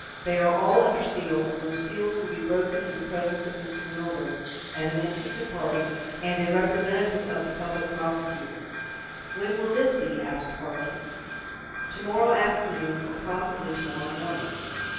"They are all under seal, and those seals will be broken in the presence of Mr. Milburgh, as an interested party, and a representative of the Public Prosecutor." "When will this be?" asked Tarling. "To morrow afternoon, or possibly to morrow morning.